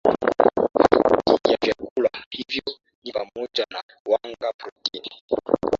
dhi ya vyakula hivyo ni pamoja na wanga protini